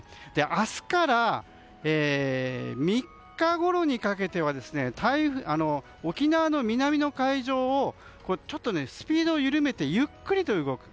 明日から３日ごろにかけては沖縄の南の海上をスピードを緩めてゆっくりと動く。